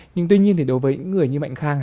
nhưng tuy nhiên thì đối với những người như mạnh khang